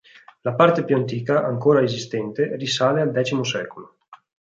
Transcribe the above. La parte più antica ancora esistente risale al X secolo.